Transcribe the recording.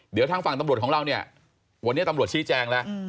เดี๋ยวทางฝั่งตำรวจของเราเนี่ยวันนี้ตำรวจชี้แจงแล้ว